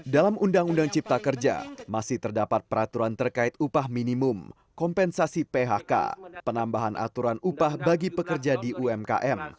dalam undang undang cipta kerja masih terdapat peraturan terkait upah minimum kompensasi phk penambahan aturan upah bagi pekerja di umkm